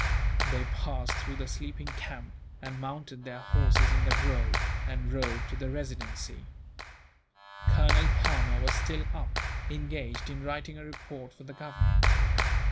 They passed through the sleeping camp, and mounted their horses in the grove, and rode to the Residency. Colonel Palmer was still up, engaged in writing a report for the Government.